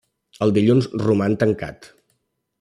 Els Dilluns roman tancat.